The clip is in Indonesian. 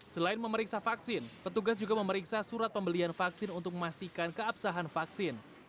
selain memeriksa vaksin petugas juga memeriksa surat pembelian vaksin untuk memastikan keabsahan vaksin